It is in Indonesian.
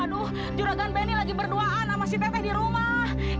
aduh juragan benny lagi berduaan sama si teteh di rumah